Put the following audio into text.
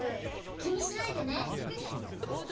きにしないでね！